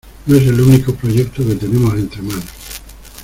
No es el único proyecto que tenemos entre manos.